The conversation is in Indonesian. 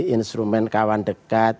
instrumen kawan dekat